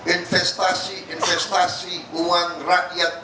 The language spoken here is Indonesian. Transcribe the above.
investasi investasi uang rakyat